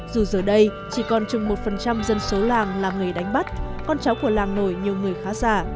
dù giờ đây chỉ còn chừng một dân số làng là nghề đánh bắt con cháu của làng nổi nhiều người khá giả